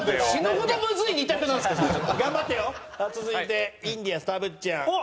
続いてインディアンスたぶっちゃん。